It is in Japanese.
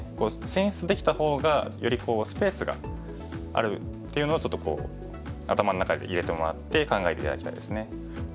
進出できた方がよりスペースがあるっていうのをちょっと頭の中に入れてもらって考えて頂きたいですね。